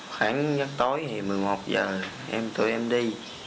khoảng giấc tối thì một mươi một h em tụi em đi